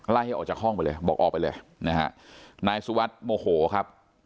ให้ออกจากห้องไปเลยบอกออกไปเลยนะฮะนายสุวัสดิ์โมโหครับ